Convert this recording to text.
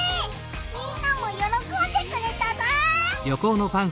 みんなもよろこんでくれたぞ！